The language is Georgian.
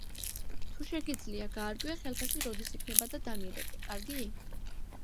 თუ შეგიძლია, გაარკვიე ხელფასი როდის იქნება და დამირეკე, კარგი?!